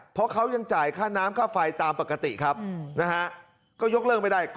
เพราะเขายังจ่ายค่าน้ำค่าไฟตามปกติครับนะฮะก็ยกเลิกไม่ได้